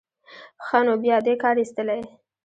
ښه نو بیا دې کار ایستلی.